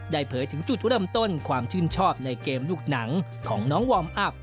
เผยถึงจุดเริ่มต้นความชื่นชอบในเกมลูกหนังของน้องวอร์มอัพ